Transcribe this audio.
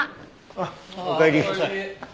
あっおかえり。